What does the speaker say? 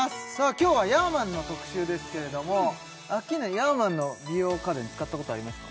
今日はヤーマンの特集ですけれどもアッキーナヤーマンの美容家電使ったことありますか？